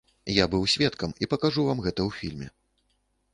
Я быў сведкам і пакажу вам гэта ў фільме.